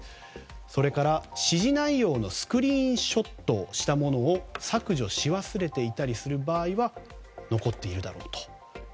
それから、指示内容のスクリーンショットをしたものを削除し忘れていたりする場合は残っているだろうと。